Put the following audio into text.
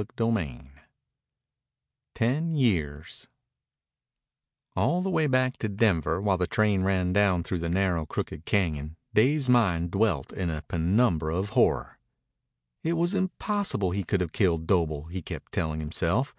CHAPTER XIV TEN YEARS All the way back to Denver, while the train ran down through the narrow, crooked cañon, Dave's mind dwelt in a penumbra of horror. It was impossible he could have killed Doble, he kept telling himself.